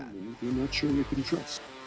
kau tidak yakin kau bisa percaya